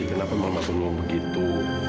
kenapa mama pun mau begitu